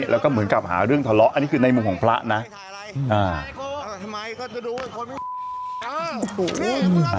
แล้วก็เหมือนการหาเรื่องทะเลาะประมาทอันตรีจริงอันนี้คือในมุมของพระนะ